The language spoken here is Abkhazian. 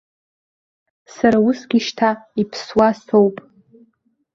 Сара усгьы шьҭа иԥсуа соуп.